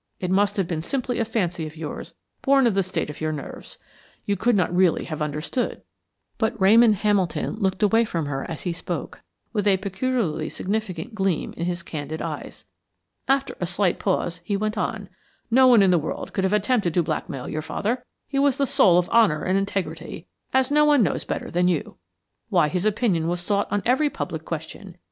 It must have been simply a fancy of yours, born of the state of your nerves. You could not really have understood." But Ramon Hamilton looked away from her as he spoke, with a peculiarly significant gleam in his candid eyes. After a slight pause he went on: "No one in the world could have attempted to blackmail your father. He was the soul of honor and integrity, as no one knows better than you. Why, his opinion was sought on every public question.